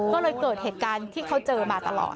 ก็เลยเกิดเหตุการณ์ที่เขาเจอมาตลอด